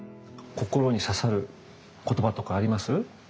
心に刺さる言葉とかあります？